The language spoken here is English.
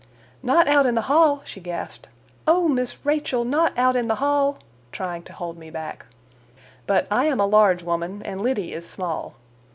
"Not out in the hall!" she gasped; "Oh, Miss Rachel, not out in the hall!" trying to hold me back. But I am a large woman and Liddy is small.